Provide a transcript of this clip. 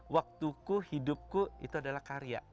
waktuku hidupku itu adalah karya